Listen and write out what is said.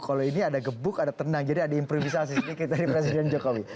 kalau ini ada gebuk ada tenang jadi ada improvisasi sedikit dari presiden jokowi